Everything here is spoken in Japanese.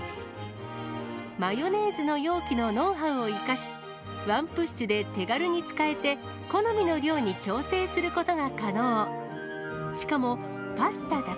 マヨネーズの容器のノウハウを生かし、ワンプッシュで手軽に使えて、好みの量に調整することが可能。